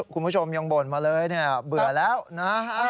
คุณผู้ชมยังบ่นมาเลยเนี่ยเบื่อแล้วนะฮะ